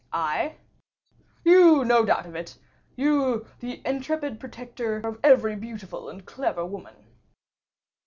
"I?" "You; no doubt of it. You; the intrepid protector of every beautiful and clever woman."